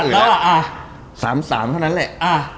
ก็๓๓เท่านั้นแหละ